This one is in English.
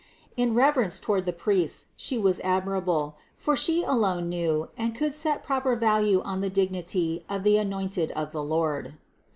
In reverence toward the priests She was admirable, for She alone knew and could set proper value on the dignity of the anointed of the Lord.